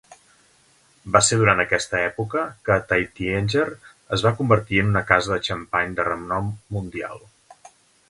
Va ser durant aquesta època que Taittinger es va convertir en una casa de xampany de renom mundial.